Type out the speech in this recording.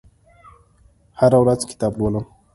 هره ورځ کتاب لولم